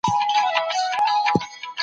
دا د نړۍ د عجایبو پېژندنه ده.